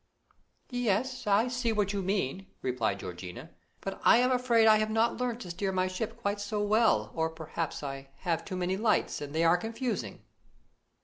"Yes, I see what you mean," replied Georgiana, "but I am afraid I have not learnt to steer my ship quite so well, or perhaps I have too many lights, and they are confusing."